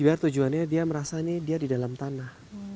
biar tujuannya dia merasanya dia di dalam tanah